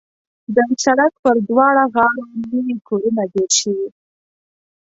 د سړک پر دواړه غاړو نوي کورونه جوړ شوي.